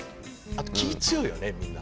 あと気ぃ強いよねみんな。